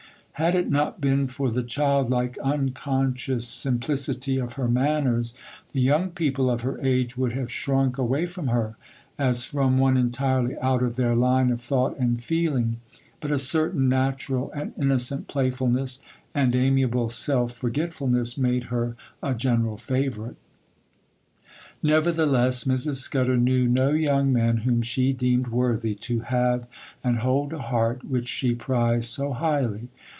Had it not been for the childlike, unconscious simplicity of her manners, the young people of her age would have shrunk away from her, as from one entirely out of their line of thought and feeling; but a certain natural and innocent playfulness and amiable self forgetfulness made her a general favourite. Nevertheless, Mrs. Scudder knew no young man whom she deemed worthy to have and hold a heart which she prized so highly.